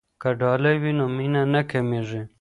که ډالۍ وي نو مینه نه کمېږي.